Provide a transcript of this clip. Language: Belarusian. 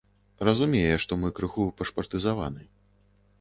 Разумее, што мы крыху пашпартызаваны.